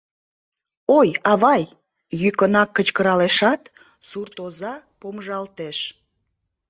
— Ой, авай!.. — йӱкынак кычкыралешат, суртоза помыжалтеш.